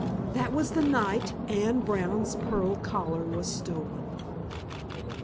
That was the night Anne Brown's pearl collar was stolen!